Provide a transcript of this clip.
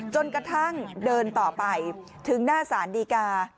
จนกระทั่งเดินต่อไปถึงหน้าศาลดีกา